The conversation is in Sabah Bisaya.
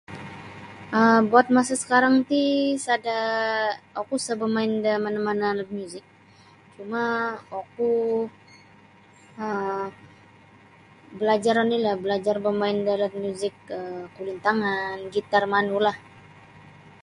um buat masa sakarang ti sada' oku sa' bamain da mana'-mana' alat muzik cuma oku um balajar oni'lah balajar bamain da alat muzik um kulintangan gitar manulah